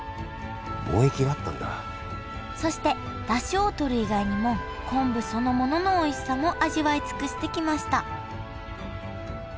そしてダシをとる以外にも昆布そのもののおいしさも味わい尽くしてきました